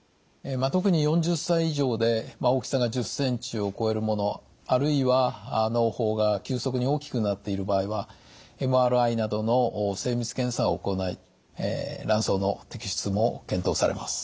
特に４０歳以上で大きさが１０ｃｍを超えるものあるいはのう胞が急速に大きくなっている場合はＭＲＩなどの精密検査を行い卵巣の摘出も検討されます。